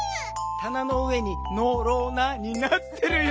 「たなの上にのろな」になってるよ。